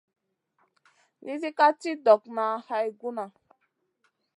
Nizi ka ci ɗokŋa hay guna.